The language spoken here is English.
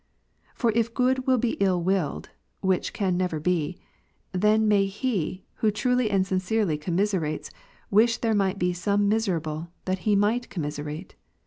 For if good will be ill willed, (which can never be,) then may he, who truly and sincerely commiserates, wish there might be some miserable, that he might commiserate.